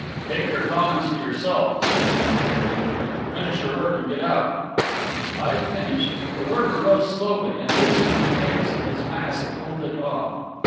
"Keep your comments to yourself," said van Heerden angrily, "finish your work and get out." "I've finished." The worker rose slowly and loosening the tapes of his mask pulled it off.